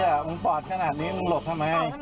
มึงปอดขนาดนี้มึงหลบทำไม